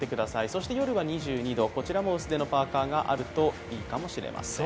そして夜は２２度、こちらも薄手のパーカがあるといいかもしれません。